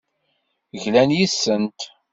Glan yes-sent.